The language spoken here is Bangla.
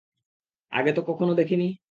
আগে তো কখনও দেখিনি।